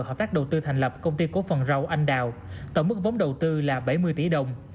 hợp tác đầu tư thành lập công ty cổ phần rau anh đào tổng mức vốn đầu tư là bảy mươi tỷ đồng